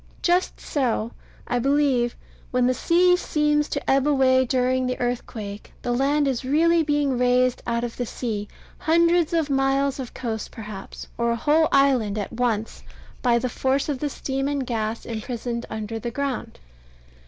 Just so, I believe, when the sea seems to ebb away during the earthquake, the land is really being raised out of the sea, hundreds of miles of coast, perhaps, or a whole island, at once, by the force of the steam and gas imprisoned under the ground.